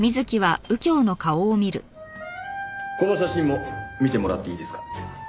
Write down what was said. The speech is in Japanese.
この写真も見てもらっていいですか？